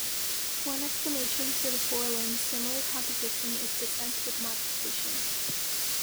One explanation for the forelimbs' similar composition is descent with modification.